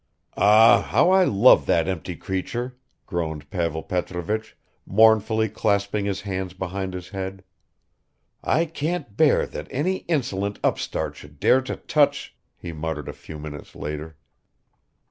"Ah, how I love that empty creature!" groaned Pavel Petrovich, mournfully clasping his hands behind his head. "I can't bear that any insolent upstart should dare to touch ..." he muttered a few minutes later.